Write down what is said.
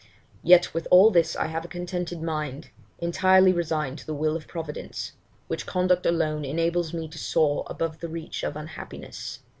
Yet with all this I have a contented mind, entirely resigned to the will of Providence, which conduct alone enables me to soar above the reach of unhappiness.'